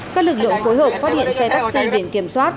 các lực lượng phối hợp phát hiện xe taxi biển kiểm soát